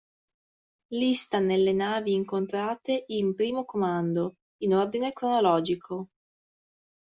Lista nelle navi incontrate in "Primo comando", in ordine cronologico.